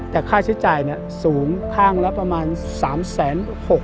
แต่ค่าใช้จ่ายสูงข้างละประมาณ๓๖๐๐บาท